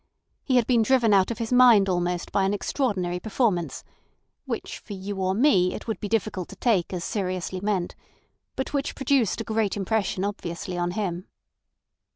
He had been driven out of his mind almost by an extraordinary performance, which for you or me it would be difficult to take as seriously meant, but which produced a great impression obviously on him."